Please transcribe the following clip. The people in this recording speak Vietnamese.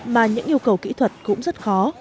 mà những yêu cầu kỹ thuật cũng rất khó